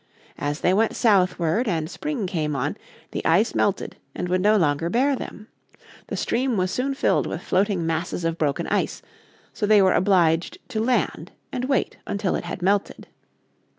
As they went southward and spring came on, the ice melted and would no longer bear them. The stream was soon filled with floating masses of broken ice, so they were obliged to land and wait until it had melted.